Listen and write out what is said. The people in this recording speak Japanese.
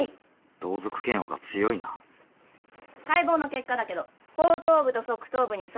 同族嫌悪が強いな解剖の結果だけど後頭部と側頭部にそれぞれ頭皮下出血があった。